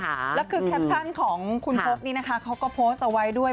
แล้วคือแคปชั่นของคุณพกนี้นะคะเขาก็โพสต์เอาไว้ด้วย